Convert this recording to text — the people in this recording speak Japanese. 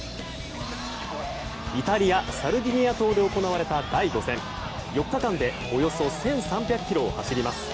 イタリア・サルデーニャ島で行われた第５戦４日間でおよそ１３００ｋｍを走ります。